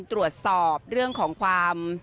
ตรวจสอบเรื่องของความ